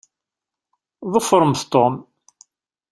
Ḍefṛemt Tom!